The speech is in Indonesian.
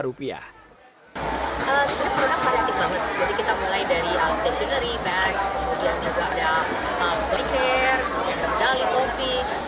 sebenarnya produk kreatif banget